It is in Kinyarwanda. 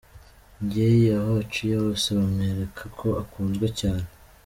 Jay aho aciye hose bamwereka ko akunzwe cyane.